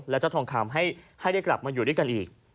และเจ้าทองคำให้ได้กลับมาอยู่ด้วยกันอีก